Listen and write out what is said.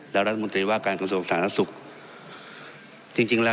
และรัฐมนตรีว่าการความสงสัญลักษณะสุขจริงจริงแล้ว